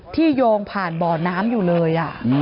โยงผ่านบ่อน้ำอยู่เลย